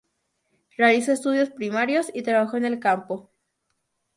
Realizó estudios primarios y trabajó en el campo.